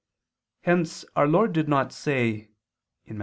Hence our Lord did not say (Matt.